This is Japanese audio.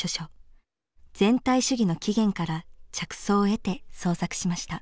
「全体主義の起源」から着想を得て創作しました。